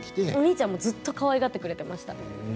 お兄ちゃんはずっとかわいがってくれました。